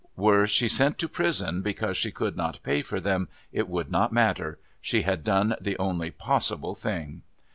Were she sent to prison because she could not pay for them it would not matter. She had done the only possible thing.